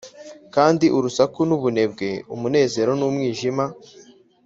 kandi urusaku n'ubunebwe, umunezero n'umwijima.